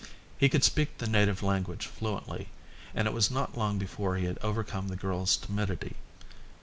He could speak the native language fluently and it was not long before he had overcome the girl's timidity.